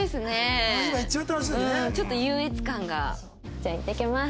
じゃあいってきます。